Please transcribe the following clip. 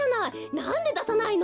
なんでださないの？